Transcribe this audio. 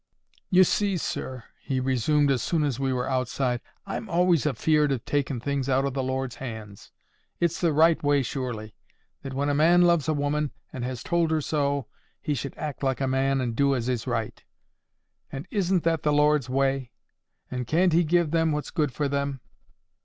"You see, sir," he resumed, as soon as we were outside, "I'm always afeard of taking things out of the Lord's hands. It's the right way, surely, that when a man loves a woman, and has told her so, he should act like a man, and do as is right. And isn't that the Lord's way? And can't He give them what's good for them.